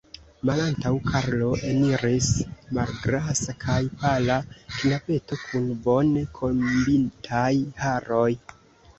Malantaŭ Karlo eniris malgrasa kaj pala knabeto kun bone kombitaj haroj.